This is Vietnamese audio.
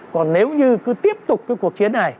còn nếu như cứ tiếp tục cái cuộc chiến